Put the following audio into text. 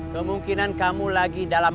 kau mau ke kapalwidah